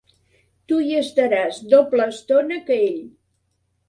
Tu hi estaràs doble estona que ell.